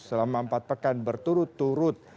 selama empat pekan berturut turut